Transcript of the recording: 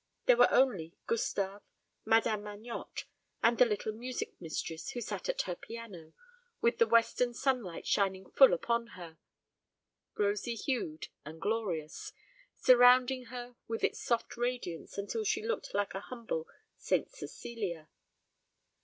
There were only Gustave, Madame Magnotte, and the little music mistress, who sat at her piano, with the western sunlight shining full upon her, rosy hued and glorious, surrounding her with its soft radiance until she looked like a humble St. Cecilia.